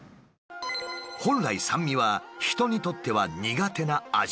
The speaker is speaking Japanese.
本来酸味は人にとっては苦手な味。